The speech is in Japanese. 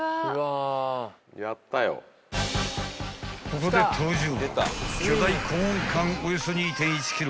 ［ここで登場］